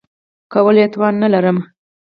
کولو توان نه لرم .